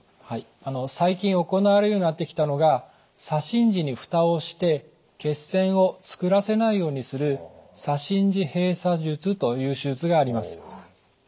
はい最近行われるようになってきたのが左心耳にフタをして血栓をつくらせないようにする左心耳閉鎖術という手術があります。